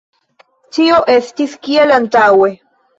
Ĉio estis kiel antaŭe.